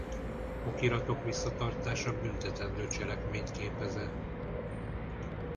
Okiratok visszatartása büntetendő cselekményt képez-e?